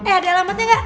eh ada alamatnya gak